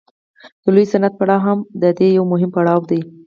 د لوی صنعت پړاو هم د دې یو مهم پړاو دی